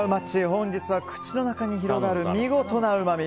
本日は口の中に広がる見事なうまみ。